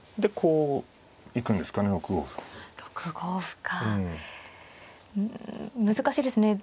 うん難しいですね。